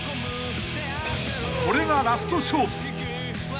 ［これがラスト勝負］